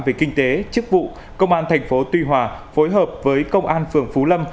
về kinh tế chức vụ công an thành phố tuy hòa phối hợp với công an phường phú lâm